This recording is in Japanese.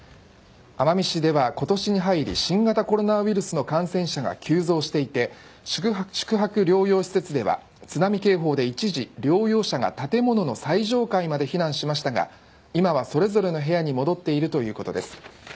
奄美市では今年に入り新型コロナウイルスの感染者が急増していて宿泊療養施設では津波警報で一時療養車が建物の最上階に避難しましたが今はそれぞれの部屋に戻っているということです。